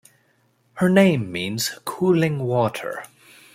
Her name means "cooling water".